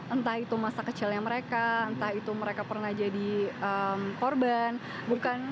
entah itu masa kecilnya mereka entah itu mereka pernah jadi korban bukan